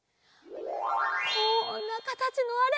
こんなかたちのあれ。